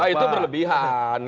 kalau itu berlebihan